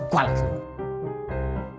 gue lagi sibuk